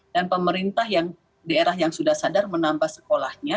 dan pemerintah yang sudah sadar menambah sekolahnya